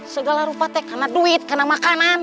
segala rupate kena duit kena makanan